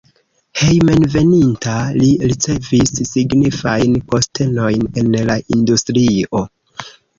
Hejmenveninta li ricevis signifajn postenojn en la industrio.